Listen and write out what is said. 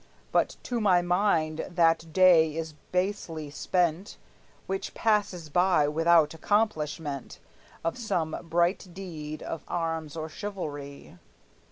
But to my mind that day is basely spent Which passes by without accomplishment Of some bright deed of arms or chivalry.